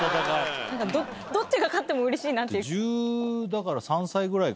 どっちが勝ってもうれしいなって。